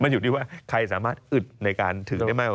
อยู่ที่ว่าใครสามารถอึดในการถือได้มากกว่า